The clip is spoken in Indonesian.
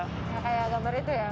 kayak gambar itu ya